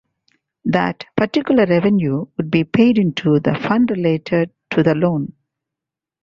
That particular revenue would be paid into the fund related to the loan.